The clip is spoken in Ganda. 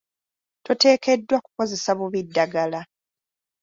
Toteekeddwa kukozesa bubi ddagala.